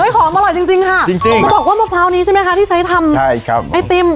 เห้ยหอมอร่อยจริงค่ะจะบอกว่ามะพร้าวนี้ใช่มั้ยคะที่ใช้ทำไอติม